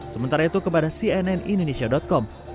sementara itu kepada cnn indonesia com